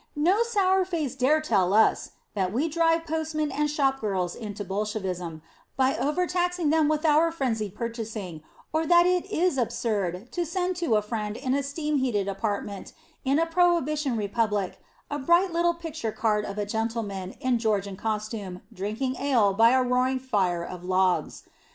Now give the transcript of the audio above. No sourface dare tell us that we drive postmen and shopgirls into Bolshevism by overtaxing them with our frenzied purchasing or that it is absurd to send to a friend in a steam heated apartment in a prohibition republic a bright little picture card of a gentleman in Georgian costume drinking ale by a roaring fire of logs.